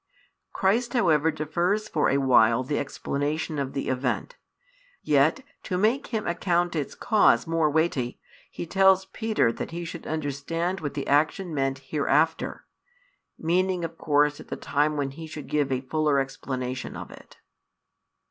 Christ however defers for a |177 while the explanation of the event; yet, to make him account its cause more weighty, He tells Peter that he should understand what the action meant hereafter, meaning of course at the time when He should give a fuller explanation of it.